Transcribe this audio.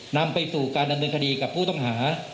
นำไปสู่การดำเนินคดีกับผู้ต้องหา